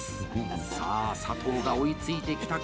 さあ、佐藤が追いついてきたか！